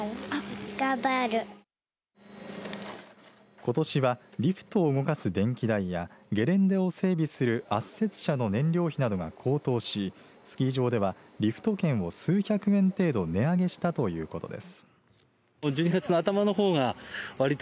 ことしはリフトを動かす電気代やゲレンデを整備する圧雪車の燃料費などが高騰しスキー場ではリフト券を数百円程度値上げしたということです。